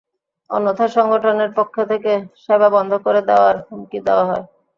অন্যথায় সংগঠনের পক্ষ থেকে সেবা বন্ধ করে দেওয়ার হুমকিও দেওয়া হয়।